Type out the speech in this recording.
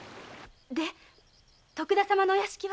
で徳田様のお屋敷は？